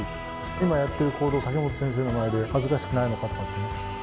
今やってる行動を武元先生の前で恥ずかしくないのかとかね。